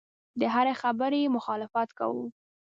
د هرې خبرې یې مخالفت کاوه.